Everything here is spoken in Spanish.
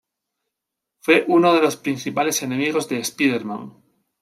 Fue uno de los principales enemigos de Spider-Man.